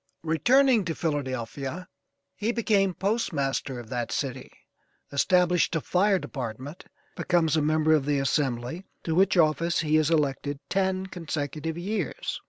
Returning to Philadelphia he became postmaster of that city, established a fire department, becomes a member of the Assembly, to which office he is elected ten consecutive years.